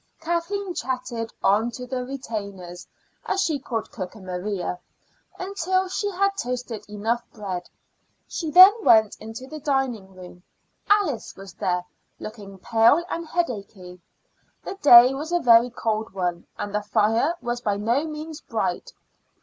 Kathleen chatted on to the retainers, as she called cook and Maria, until she had toasted enough bread. She then went into the dining room. Alice was there, looking pale and headachy. The day was a very cold one, and the fire was by no means bright.